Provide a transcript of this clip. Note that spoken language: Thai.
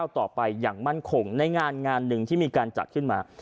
ต่อไปอย่างมั่นคงในงานงานหนึ่งที่มีการจัดขึ้นมา